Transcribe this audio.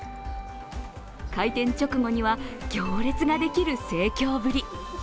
開店直後には、行列ができる盛況ぶり。